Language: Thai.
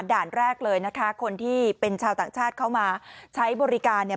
ด่านแรกเลยนะคะคนที่เป็นชาวต่างชาติเข้ามาใช้บริการเนี่ย